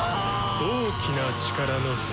大きな力の差。